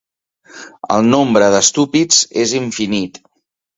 El nombre d'estúpids és infinit.